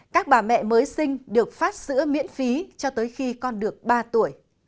các bà mẹ mới sinh được phát sữa miễn phí cho tới khi con được ba tuổi